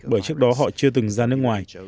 bởi trước đó họ chưa từng ra nước ngoài